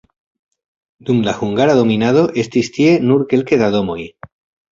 Dum la hungara dominado estis tie nur kelke da domoj.